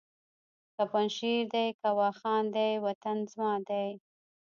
که پنجشېر دی که واخان دی وطن زما دی